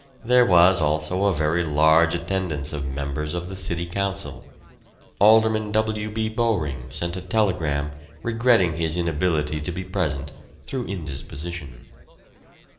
There was also a very large attendance of members of the City Council. Alderman W. B. Bowring sent a telegram regretting his inability to be present through indisposition.